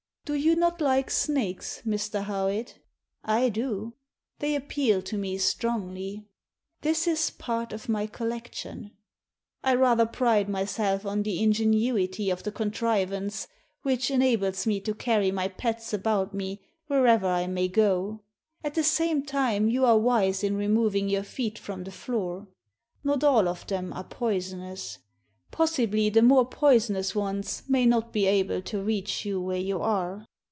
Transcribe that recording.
''Do you not like snakes, Mr. Howitt? I do! They appeal to me strongly. This is part of my collection. I rather pride myself on the ingenuity of the contrivance which enables me to carry my pets about with me wherever I may go. At the same time you are wise in removing your feet from the floor. Not all of them are poisonous. Possibly the more poisonous ones may not be able to reach you where you are.